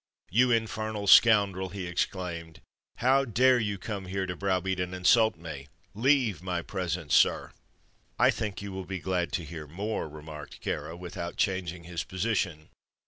"You infernal scoundrel!" he exclaimed, "how dare you come here to browbeat and insult me! Leave my presence, sir!" "I think you will be glad to hear more," remarked Kāra, without changing his position.